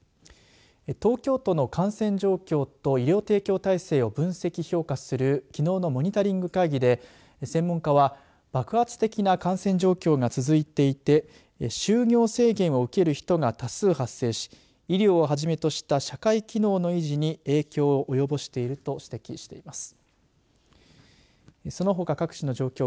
東京都の感染状況と医療提供体制を分析、評価するきのうのモニタリング会議で専門家は爆発的な感染状況が続いていて就業制限を受ける人が多数発生し医療をはじめとした社会機能の維持に影響を及ぼしていると指摘しています。